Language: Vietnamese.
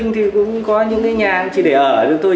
thì cũng có những nhà chỉ để ở được thôi